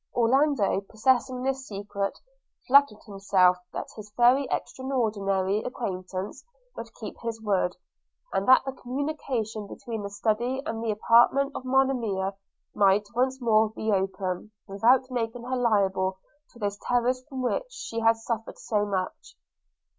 Orlando, possessing this secret, flattered himself that his very extraordinary acquaintance would keep his word, and that the communication between the study and the apartment of Monimia might once more be open, without making her liable to those terrors from which she had suffered so much.